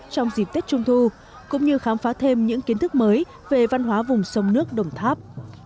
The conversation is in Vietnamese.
trong dịp tết trung thu cũng như khám phá thêm những kiến thức mới về văn hóa vùng sông nước đồng tháp